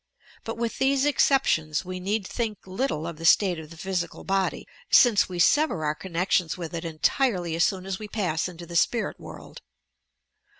But with these exceptions, we need think little of the state of the phj sieal body, since we sever our connections with it entirely as soon as we pass into the spirit world.